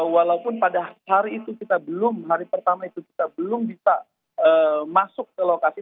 walaupun pada hari itu kita belum hari pertama itu kita belum bisa masuk ke lokasi